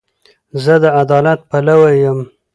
زه د عدالت پلوی یم.